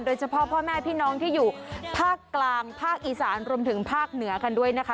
โดยเฉพาะพ่อแม่พี่น้องที่อยู่ภาคกลางภาคอีสานรวมถึงภาคเหนือกันด้วยนะคะ